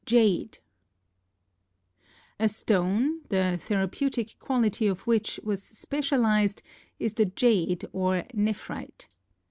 Jade A stone the therapeutic quality of which was specialized is the jade or nephrite.